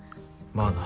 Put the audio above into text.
まあな。